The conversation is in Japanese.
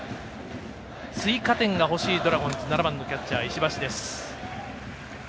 追加点が欲しいドラゴンズバッター７番キャッチャー、石橋です。